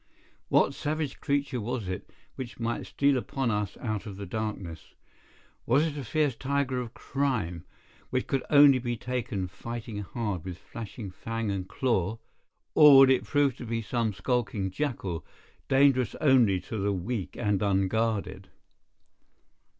What savage creature was it which might steal upon us out of the darkness? Was it a fierce tiger of crime, which could only be taken fighting hard with flashing fang and claw, or would it prove to be some skulking jackal, dangerous only to the weak and unguarded?